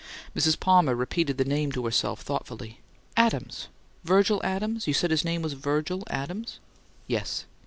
Mrs. Palmer repeated the name to herself thoughtfully. "'Adams' 'Virgil Adams.' You said his name was Virgil Adams?" "Yes."